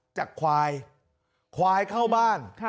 จากควายควายเข้าบ้าน